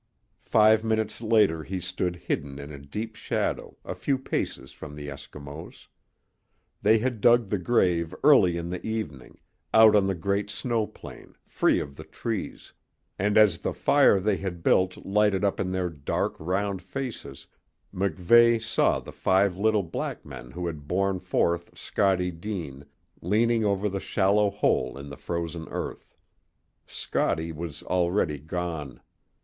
Five minutes later he stood hidden in a deep shadow, a few paces from the Eskimos. They had dug the grave early in the evening, out on the great snow plain, free of the trees; and as the fire they had built lighted up their dark, round faces MacVeigh saw the five little black men who had borne forth Scottie Deane leaning over the shallow hole in the frozen earth. Scottie was already gone.